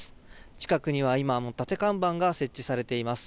近くには、今も立て看板が設置されています。